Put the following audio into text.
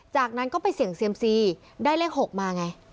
จากนั้นก็ไปเสี่ยงเซียมซีได้เลข๖มาไง